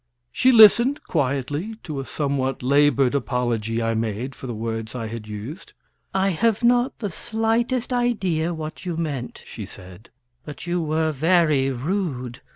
She listened quietly to a somewhat labored apology I made for the words I had used. "I have not the slightest idea what you meant," she said, "but you were very rude."